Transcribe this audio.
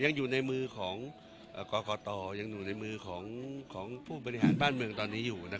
ยังอยู่ในมือของกรกตยังอยู่ในมือของผู้บริหารบ้านเมืองตอนนี้อยู่